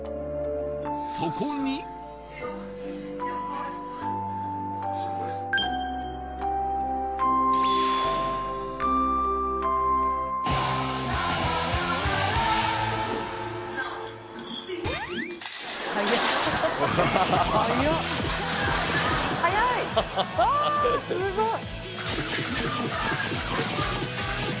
そこに・わっすごい！